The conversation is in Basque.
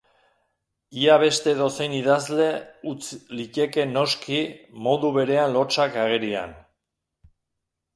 Ia beste edozein idazle utz liteke noski modu berean lotsak agerian.